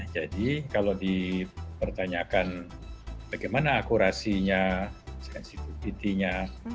jadi kalau dipertanyakan bagaimana akurasinya sensitivity nya